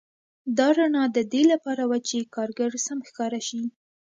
دا رڼا د دې لپاره وه چې کارګر سم ښکاره شي